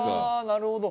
なるほど。